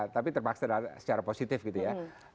tapi terpaksa secara positif gitu ya